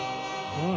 うん！